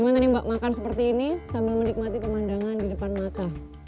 gimana nih mbak makan seperti ini sambil menikmati pemandangan di depan mata